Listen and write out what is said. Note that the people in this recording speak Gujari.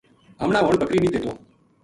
ہم نا ہن بکری نیہہ دیتو